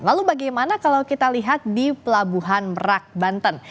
lalu bagaimana kalau kita lihat di pelabuhan merak banten